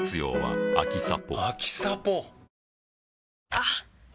あっ！